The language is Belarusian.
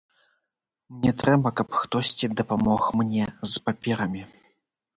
Мне трэба, каб хтосьці дапамог мне з паперамі.